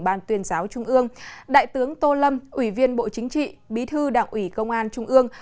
ban tuyên giáo trung ương đại tướng tô lâm ủy viên bộ chính trị bí thư đảng ủy công an trung ương